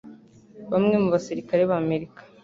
Bamwe mu basirikare b'Amerika